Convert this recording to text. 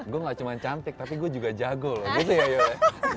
gue enggak cuma cantik tapi gue juga jago gitu ya yola